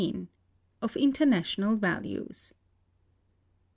Of International Values.